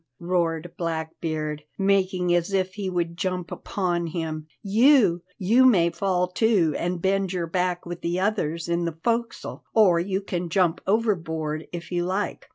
roared Blackbeard, making as if he would jump upon him; "you! You may fall to and bend your back with the others in the forecastle, or you can jump overboard if you like.